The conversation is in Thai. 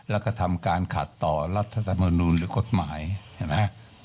และกระทำการขาดต่อรัฐมนุนหรือกฏหมายแหละนะ